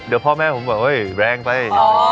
เดี๋ยวพ่อแม่ผมบอกเฮ้ยแรงไป